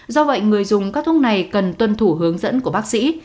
do vậy người dùng các thuốc này cần tuân thủ hướng dẫn của bác sĩ